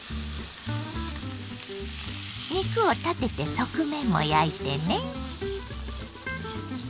肉を立てて側面も焼いてね。